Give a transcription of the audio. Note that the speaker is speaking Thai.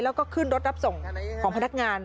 แล้วก็ขึ้นรถรับส่งของพนักงาน